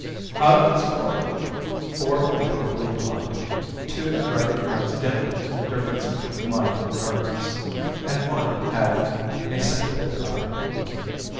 Out of his party, four were totally blind, two could recognise dimly the difference between light and darkness, and one had a single good eye.